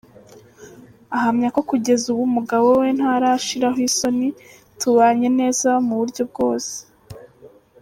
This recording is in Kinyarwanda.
Ahamya ko kugeza ubu umugabo we ‘ntarashiraho isoni, tubanye neza mu buryo bwose.